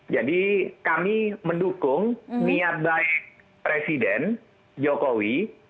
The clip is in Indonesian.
jadi kami mendukung niat baik presiden jokowi